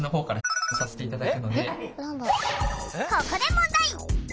ここで問題！